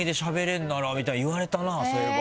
そういえば。